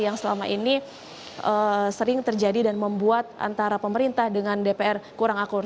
yang selama ini sering terjadi dan membuat antara pemerintah dengan dpr kurang akur